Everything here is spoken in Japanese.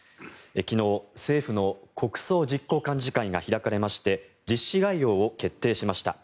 昨日、政府の国葬実行幹事会が開かれまして実施概要を決定しました。